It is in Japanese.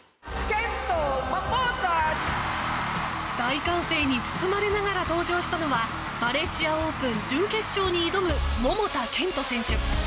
大歓声に包まれながら登場したのはマレーシアオープン準決勝に挑む桃田賢斗選手。